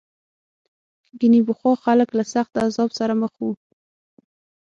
ګنې پخوا خلک له سخت عذاب سره مخ وو.